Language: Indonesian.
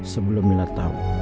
sebelum milla tahu